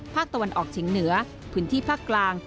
ภาคตะวันออกเฉียงเหนือพื้นที่ภาคกลาง